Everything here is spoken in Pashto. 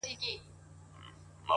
مثبت فکر د وېرې وزن کموي،